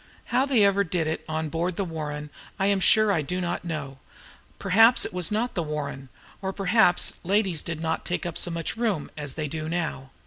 How they ever did it on board the "Warren" I am sure I do not know. Perhaps it was not the "Warren," or perhaps ladies did not take up so much room as they do now.